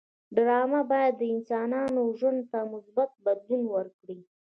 ډرامه باید د انسانانو ژوند ته مثبت بدلون ورکړي